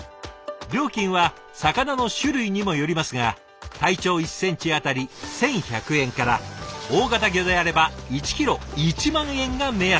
料金は魚の種類にもよりますが体長１センチ当たり１，１００円から大型魚であれば１キロ１万円が目安だそう。